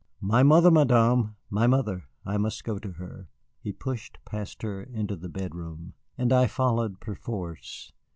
"My mother, Madame! My mother! I must go to her." He pushed past her into the bedroom, and I followed perforce.